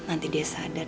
nanti dia sadar